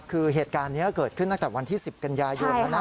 คือเหตุการณ์นี้เกิดขึ้นตั้งแต่วันที่๑๐กันยายนแล้วนะ